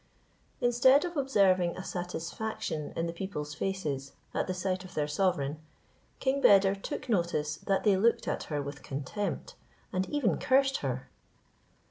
Instead of observing a satisfaction in the people's faces, at the sight of their sovereign, King Beder took notice that they looked at her with contempt, and even cursed her.